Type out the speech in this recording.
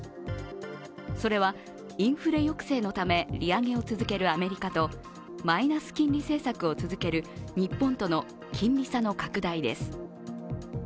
それは、インフレ抑制のため利上げを続けるアメリカとマイナス金利政策を続ける日本との金利差の拡大です。